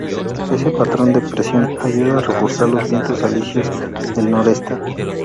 Este patrón de presión ayuda a reforzar los vientos alisios del noreste.